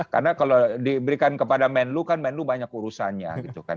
karena kalau diberikan kepada menlo menlo banyak urusannya